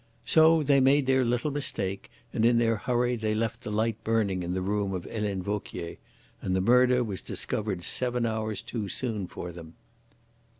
So they made their little mistake, and in their hurry they left the light burning in the room of Helene Vauquier, and the murder was discovered seven hours too soon for them."